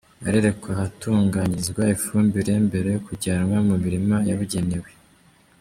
Barerekwa ahatunganyirizwa ifumbire, mbere yo kujyanwa mu mirima yabugenewe.